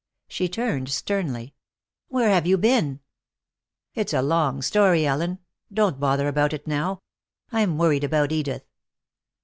She turned, sternly. "Where have you been?" "It's a long story, Ellen. Don't bother about it now. I'm worried about Edith."